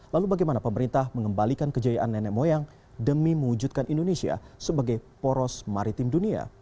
lalu bagaimana pemerintah mengembalikan kejayaan nenek moyang demi mewujudkan indonesia sebagai poros maritim dunia